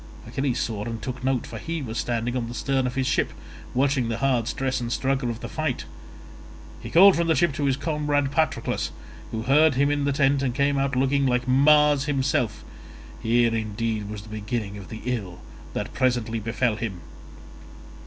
Achilles saw and took note, for he was standing on the stern of his ship watching the hard stress and struggle of the fight. He called from the ship to his comrade Patroclus, who heard him in the tent and came out looking like Mars himself—here indeed was the beginning of the ill that presently befell him.